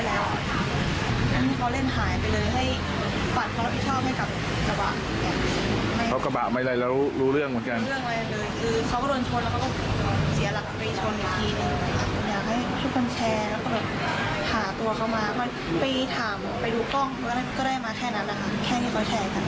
อยากให้ทุกคนแชร์แล้วก็หาตัวเขามาไปถามไปดูกล้องก็ได้มาแค่นั้นนะคะ